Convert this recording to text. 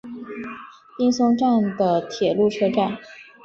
滨松站的铁路车站。